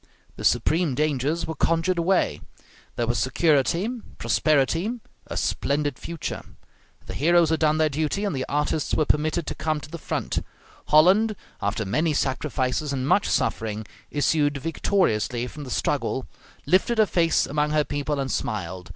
The supreme dangers were conjured away; there was security, prosperity, a splendid future; the heroes had done their duty, and the artists were permitted to come to the front; Holland, after many sacrifices, and much suffering, issued victoriously from the struggle, lifted her face among her people and smiled.